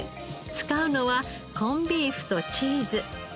使うのはコンビーフとチーズ。